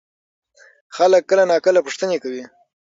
خلک کله ناکله پوښتنه کوي.